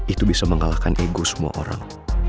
itu bisa mengalahkan ego semua orang